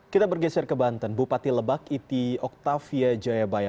kita bergeser ke banten bupati lebak iti oktavia jayabaya